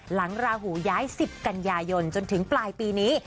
ราหูย้าย๑๐กันยายนจนถึงปลายปีนี้